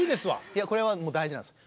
いやこれは大事なんです。